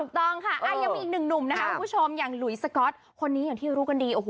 ต้องค่ะยังมีอีกหนึ่งหนุ่มนะคะคุณผู้ชมอย่างหลุยสก๊อตคนนี้อย่างที่รู้กันดีโอ้โห